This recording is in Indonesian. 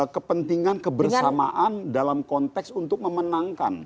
kepentingan kebersamaan dalam konteks untuk memenangkan